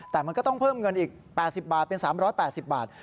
แต่มันก็ต้องเพิ่มเงินอีก๘๐บาทเป็น๓๘๐บาท